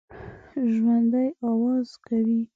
ژوندي آواز کوي